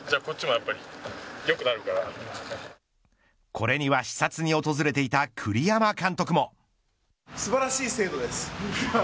これには視察に訪れていた栗山監督も。